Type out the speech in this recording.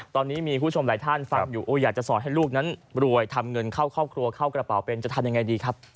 ตอนนี้มีคุณผู้ชมหลายท่านฟังอยู่อยากจะสอนให้ลูกนั้นรวยทำเงินเข้าครอบครัวเข้ากระเป๋าเป็นจะทำยังไงดีครับ